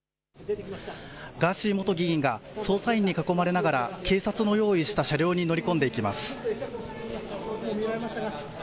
ガーシー元議員が捜査員に囲まれながら警察の用意した車両に乗り込んでいきます。